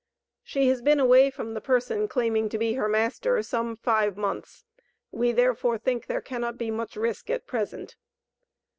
She has been away from the person claiming to be her master some five months; we, therefore, think there cannot be much risk at present.